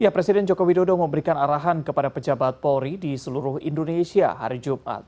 presiden joko widodo memberikan arahan kepada pejabat polri di seluruh indonesia hari jumat